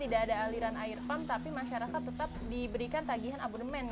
tidak ada aliran air pump tapi masyarakat tetap diberikan tagihan abodemen